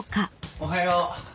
おはよう。